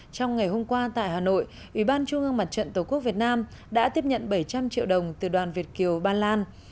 trong ngày hôm qua tại hà nội ubndtqvn đã tiếp nhận bảy trăm linh triệu đồng từ đoàn việt kiều ban lan